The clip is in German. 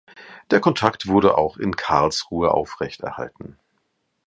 Der Kontakt wurde auch in Karlsruhe aufrechterhalten.